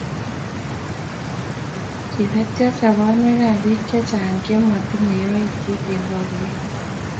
Kiibotyo sobonwekab biik chechang' che matinyei yaityo eng' boriet.